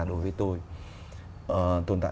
đối với tôi tồn tại